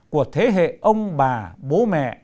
của thế hệ ông bà bố mẹ